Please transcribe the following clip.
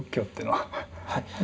はい。